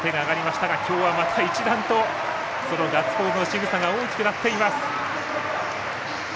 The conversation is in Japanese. きょうは、また一段とそのガッツポーズのしぐさが大きくなっています。